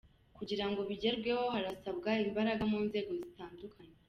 Kugirango bigerweho harasabwa imbaraga mu nzego zitandukanye.